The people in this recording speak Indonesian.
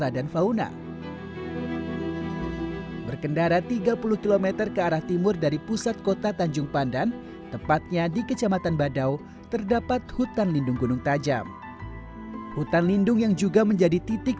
dan kemudian ekosistem juga rusak